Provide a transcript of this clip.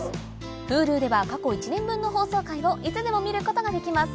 Ｈｕｌｕでは過去１年分の放送回をいつでも見ることができます